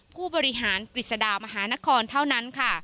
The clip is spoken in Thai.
ผู้บริหารกฤษฎามหานครเท่านั้นค่ะ